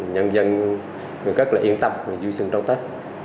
nhân dân rất là yên tâm vui sưng đấu tết